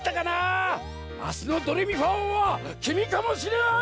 あすのドレミファおうはきみかもしれない！